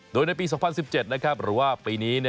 โดยในปี๒๐๑๗หรือว่าปีนี้